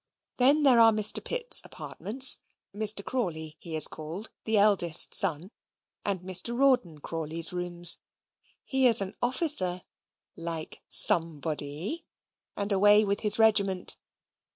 Then there are Mr. Pitt's apartments Mr. Crawley, he is called the eldest son, and Mr. Rawdon Crawley's rooms he is an officer like SOMEBODY, and away with his regiment.